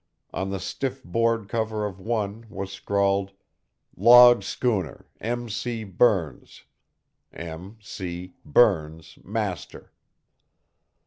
On the stiff board cover of one was scrawled, "Log Schooner M. C. Burns; M. C. Burns, master."